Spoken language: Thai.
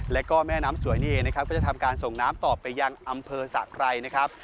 แล้วก็แม่น้ำสวยนี่เองนะครับก็จะทำการส่งน้ำต่อไปยังอำเภอสะไกรนะครับ